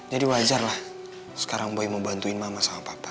jadi wajar lah sekarang boy mau bantuin mama sama papa